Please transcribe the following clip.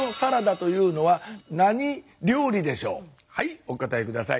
はいお答え下さい。